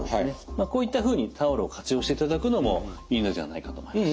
こういったふうにタオルを活用していただくのもいいのじゃないかと思います。